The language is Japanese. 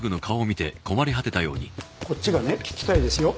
こっちがね聞きたいですよ